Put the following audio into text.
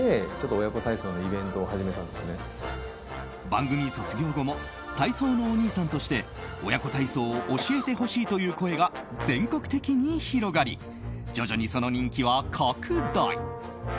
番組卒業後も体操のお兄さんとして親子体操を教えてほしいという声が全国的に広がり徐々にその人気は拡大。